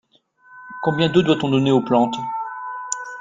Combien d'eau doit-on donner aux plantes ?